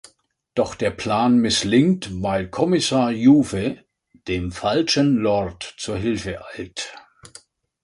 Doch der Plan misslingt, weil Kommissar Juve dem falschen Lord zur Hilfe eilt.